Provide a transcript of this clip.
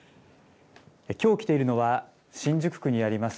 きょう来ているのは、新宿区にあります